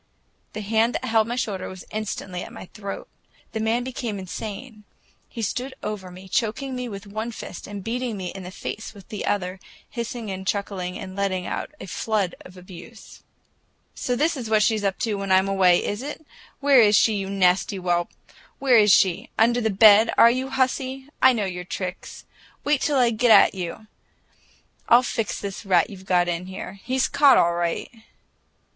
The hand that held my shoulder was instantly at my throat. The man became insane; he stood over me, choking me with one fist and beating me in the face with the other, hissing and chuckling and letting out a flood of abuse. "So this is what she's up to when I'm away, is it? Where is she, you nasty whelp, where is she? Under the bed, are you, hussy? I know your tricks! Wait till I get at you! I'll fix this rat you've got in here. He's caught, all right!"